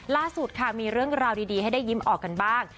ล่าสุดค่ะมีเรื่องราวดีให้ได้ยิ้มออกกันบ้าง